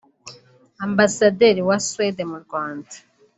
Ambadaseri wa Suède mu Rwanda